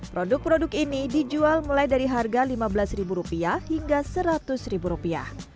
produk produk ini dijual mulai dari harga lima belas rupiah hingga seratus ribu rupiah